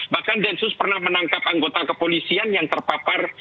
bahkan densus pernah menangkap anggota kepolisian yang terpapar